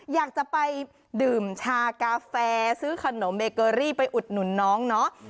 อยากจะไปดื่มชากาแฟซื้อขนมเบเกอรี่ไปอุดหนุนน้องเนาะ